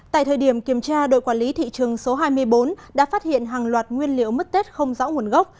tại thời điểm kiểm tra đội quản lý thị trường số hai mươi bốn đã phát hiện hàng loạt nguyên liệu mứt tết không rõ nguồn gốc